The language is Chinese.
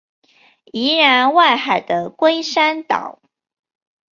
宜兰外海的龟山岛